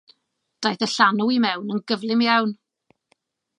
Daeth y llanw i mewn yn gyflym iawn.